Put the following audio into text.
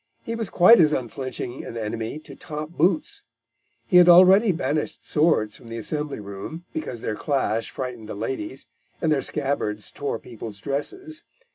He was quite as unflinching an enemy to top boots. He had already banished swords from the assembly room, because their clash frightened the ladies, and their scabbards tore people's dresses.